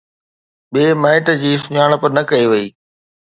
ٻئي مائٽ جي سڃاڻپ نه ڪئي وئي